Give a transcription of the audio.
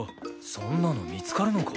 そんなの見つかるのか？